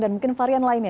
dan mungkin varian lainnya